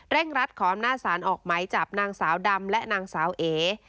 รัดขออำนาจสารออกไหมจับนางสาวดำและนางสาวเอ